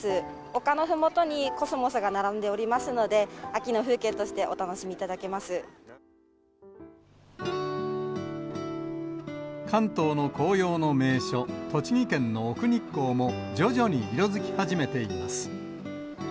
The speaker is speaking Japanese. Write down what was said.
丘のふもとにコスモスが並んでおりますので、秋の風景としてお楽関東の紅葉の名所、栃木県の奥日光も徐々に色づき始めています。